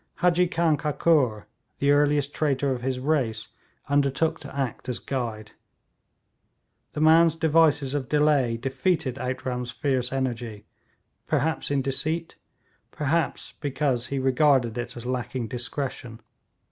Hadji Khan Kakur, the earliest traitor of his race, undertook to act as guide. This man's devices of delay defeated Outram's fiery energy, perhaps in deceit, perhaps because he regarded it as lacking discretion.